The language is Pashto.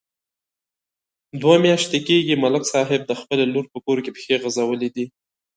دوه میاشتې کېږي، ملک صاحب د خپلې لور په کور کې پښې غځولې دي.